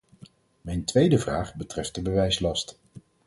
Mijn tweede vraag betreft de bewijslast.